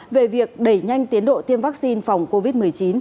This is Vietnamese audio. về việc đẩy nhanh tiến độ tiêm vaccine phòng covid một mươi chín